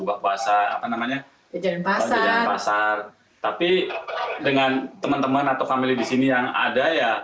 buah puasa apa namanya pasar tapi dengan teman teman atau family di sini yang ada ya